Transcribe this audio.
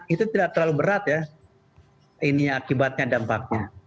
itu tidak terlalu berat ya ini akibatnya dampaknya